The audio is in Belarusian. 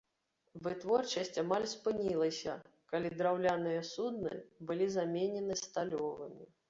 Вытворчасць амаль спынілася, калі драўляныя судны былі замененыя сталёвымі.